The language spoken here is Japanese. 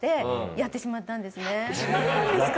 やってしまったんですか。